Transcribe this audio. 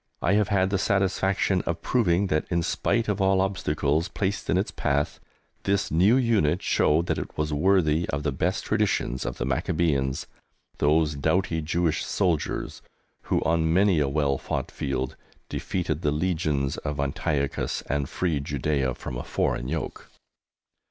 I have had the satisfaction of proving that, in spite of all obstacles placed in its path, this new unit showed that it was worthy of the best traditions of the Maccabæans, those doughty Jewish soldiers who, on many a well fought field, defeated the legions of Antiochus and freed Judæa from a foreign yoke.